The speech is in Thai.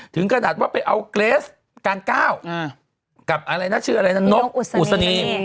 ถึงกระดาษว่าไปเอาเกรสการก้าวกับนกอุศณี